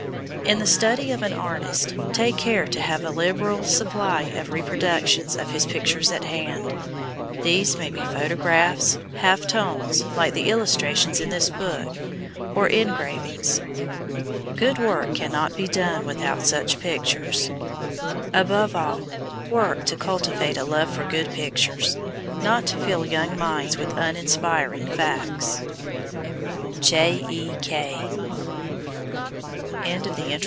In the study of an artist, take care to have a liberal supply of reproductions of his pictures at hand. These may be photographs, half tones, like the illustrations in this book, or engravings. Good work cannot be done without such pictures. Above all, work to cultivate a love for good pictures, not to fill young minds with uninspiring facts. J. E. K.